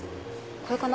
これかな？